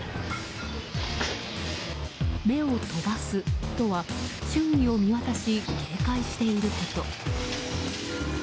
目を飛ばすとは周囲を見渡し警戒していること。